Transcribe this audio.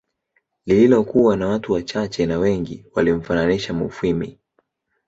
Lililokuwa na watu wachache na Wengi walimfananisha Mufwimi